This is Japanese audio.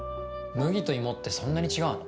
麦と芋ってそんなに違うの？